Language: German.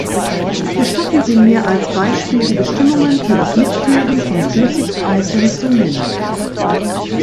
Gestatten Sie mir als Beispiel die Bestimmungen für das Mitführen von Flüssigkeiten zu nennen.